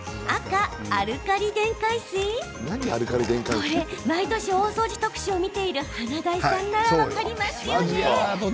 これ、毎年大掃除特集を見ている華大さんなら、分かりますよね。